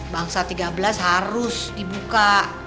bangsa tiga belas harus dibuka